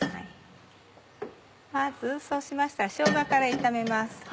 そうしましたらしょうがから炒めます。